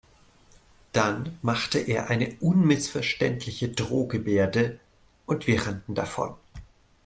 Dann machte er eine unmissverständliche Drohgebärde und wir rannten davon.